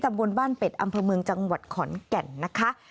บนบ้านเป็ดอำเภอเมืองจังหวัดขอนแก่นนะคะ